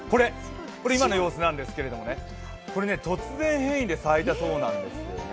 これ、今の様子なんですけれど、突然変異で咲いたそうなんです。